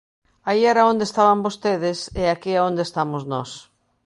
Aí era onde estaban vostedes e aquí é onde estamos nós.